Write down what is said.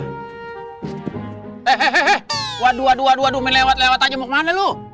eh eh eh waduh waduh men lewat lewat aja mau kemana lu